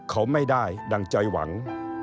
เขาไม่ได้ดั่งใจหวัง